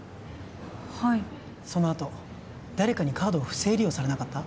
はいそのあと誰かにカードを不正利用されなかった？